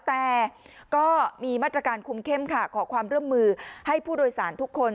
แต่ก็มีมาตรการคุมเข้มค่ะขอความร่วมมือให้ผู้โดยสารทุกคน